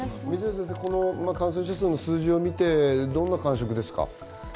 この感染者数の数字を見て、どんな感触ですか？